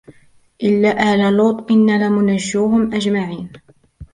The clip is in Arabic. إلا آل لوط إنا لمنجوهم أجمعين